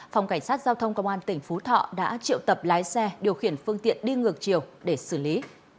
phòng cảnh sát giao thông công an tỉnh phú thọ đã triệu tập lái xe điều khiển phương tiện đi ngược chiều để xử lý